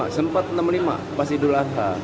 rp enam puluh lima sempat rp enam puluh lima pas idul ahal